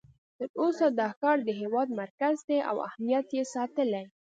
تر اوسه دا ښار د هېواد مرکز دی او اهمیت یې ساتلی.